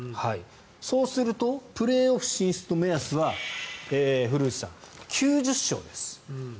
そうするとプレーオフ進出の目安は古内さん、９０勝です。